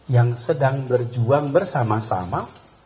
yang sedang berjuang bersama sama